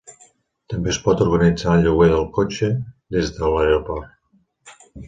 També es pot organitzar el lloguer de cotxe des de l'aeroport.